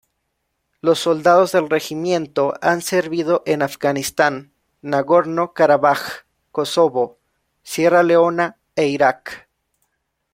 Los soldados del Regimiento han servido en Afganistán, Nagorno-Karabaj, Kosovo, Sierra Leona e Irak.